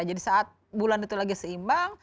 jadi saat bulan itu lagi seimbang